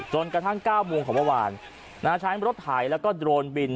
จนกระทั่ง๙โมงของเมื่อวานใช้รถไถแล้วก็โดรนบิน